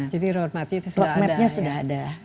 jadi roadmapnya sudah ada